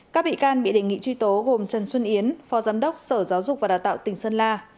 các bị can bị đề nghị truy tố gồm trần xuân yến phó giám đốc sở giáo dục và đào tạo tỉnh sơn la